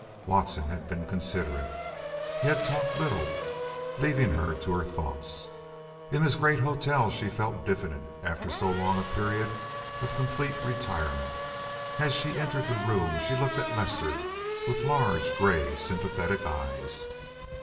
Watson had been considerate. He had talked little, leaving her to her thoughts. In this great hotel she felt diffident after so long a period of complete retirement. As she entered the room she looked at Lester with large, gray, sympathetic eyes.